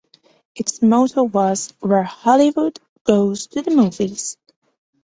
Its motto was "Where Hollywood goes to the movies".